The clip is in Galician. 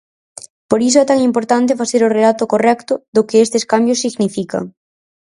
Por iso é tan importante facer o relato correcto do que estes cambios significan.